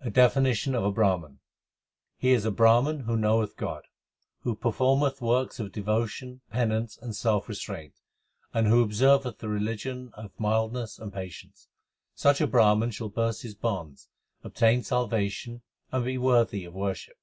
A definition of a Brahman : He is a Brahman who knoweth God, Who performeth works of devotion, penance, and self restraint ; And who observeth the religion of mildness and ] Such a Brahman shall burst his bonds, obtain salvation, And be worthy of worship.